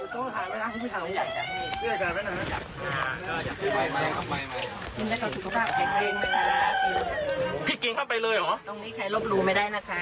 กินอย่างไรครับเอาหลีนแปดลงไปในน้ำหรือ